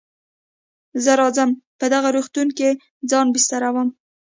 زه راځم په دغه روغتون کې ځان بستروم.